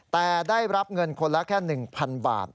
แต่ได้รับเงินคนละแค่๑๐๐๐บาท